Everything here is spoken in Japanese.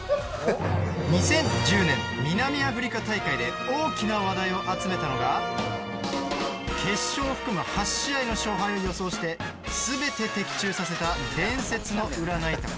２０１０年、南アフリカ大会で大きな話題を集めたのが決勝含む８試合の勝敗を予想して全て的中させた伝説の占いダコ